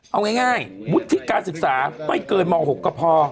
เอาง่ายวุฒิการศึกษาไม่เกินม๖ก็พอ